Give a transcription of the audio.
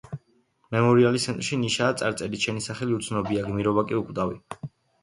მემორიალის ცენტრში ნიშაა წარწერით „შენი სახელი უცნობია, გმირობა კი უკვდავი“.